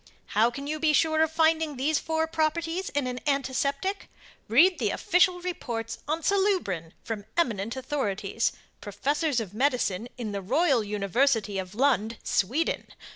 How can you be sure of finding these four properties in an antiseptic? Read the official reports on SALUBRIN from eminent authorities, professors of Medicine in the Royal university of Lund, Sweden.